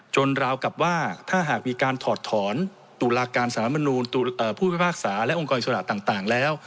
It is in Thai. ราวกับว่าถ้าหากมีการถอดถอนตุลาการสารมนูลผู้พิพากษาและองค์กรอิสระต่างแล้ว